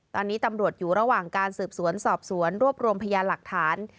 ตอนนี้ตำรวจอยู่ระหว่างการสืบสวนสอบสวนรวบรวมพยานหลักฐาน